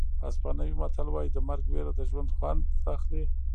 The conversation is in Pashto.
اسپانوي متل وایي د مرګ وېره د ژوند خوند اخلي.